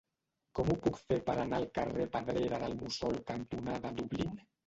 Com ho puc fer per anar al carrer Pedrera del Mussol cantonada Dublín?